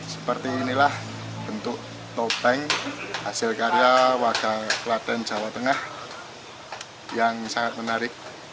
seperti inilah bentuk topeng hasil karya warga klaten jawa tengah yang sangat menarik